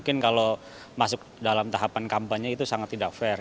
mungkin kalau masuk dalam tahapan kampanye itu sangat tidak fair